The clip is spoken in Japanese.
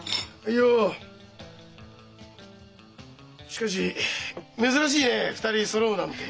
しかし珍しいね２人そろうなんて。